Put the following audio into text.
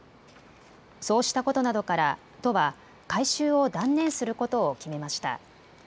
そうしたことなどから都は改修を断念することを決めました。